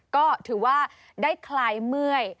ก็ถือว่าได้คลายเมื่อย